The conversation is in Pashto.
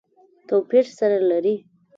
توپیر سره لري.